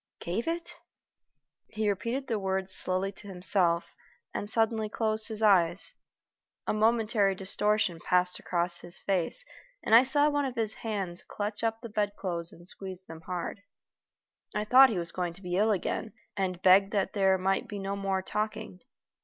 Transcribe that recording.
gave it?" He repeated the words slowly to himself, and suddenly closed his eyes. A momentary distortion passed across his face, and I saw one of his hands clutch up the bedclothes and squeeze them hard. I thought he was going to be ill again, and begged that there might be no more talking.